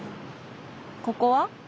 ここは？